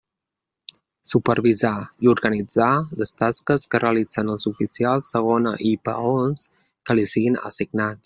Supervisar i organitzar les tasques que realitzen els oficials segona i peons que li siguin assignats.